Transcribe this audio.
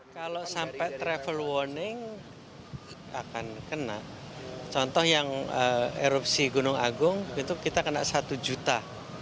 kalau sampai travel warning akan kena contoh yang erupsi gunung agung itu kita kena satu juta